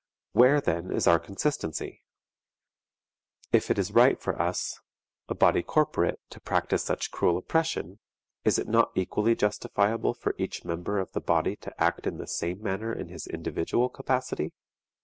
Where, then, is our consistency? If it is right for us, a body corporate, to practice such cruel oppression, is it not equally justifiable for each member of the body to act in the same manner in his individual capacity?